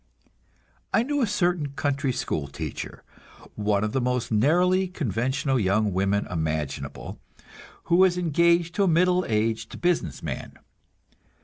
I knew a certain country school teacher, one of the most narrowly conventional young women imaginable, who was engaged to a middle aged business man.